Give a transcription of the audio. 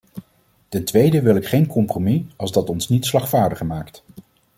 Ten tweede wil ik geen compromis, als dat ons niet slagvaardiger maakt.